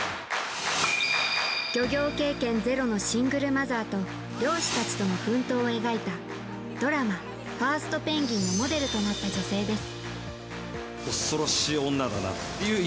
漁業経験ゼロのシングルマザーと漁師たちとの奮闘を描いたドラマ「ファーストペンギン！」のモデルとなった女性です。